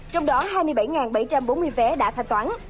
trong đó hai mươi bảy bảy trăm bốn mươi vé đã thanh toán